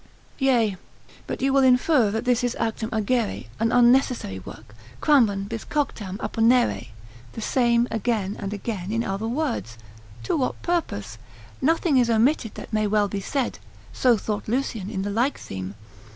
Yea, but you will infer that this is actum agere, an unnecessary work, cramben bis coctam apponnere, the same again and again in other words. To what purpose? Nothing is omitted that may well be said, so thought Lucian in the like theme.